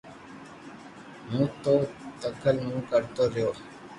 ھون تو دڪل مون ڪرتو رھيو